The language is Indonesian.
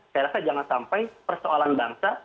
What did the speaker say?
saya rasa jangan sampai persoalan bangsa